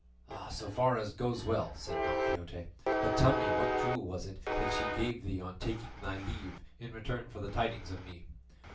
"So far all goes well," said Don Quixote; "but tell me what jewel was it that she gave thee on taking thy leave, in return for thy tidings of me?